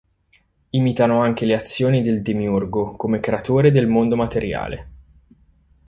Imitano anche le azioni del demiurgo come creatore del mondo materiale.